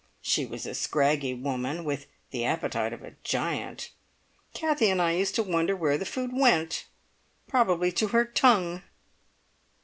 She was a scraggy woman, with the appetite of a giant. Kathie and I used to wonder where the food went! Probably to her tongue!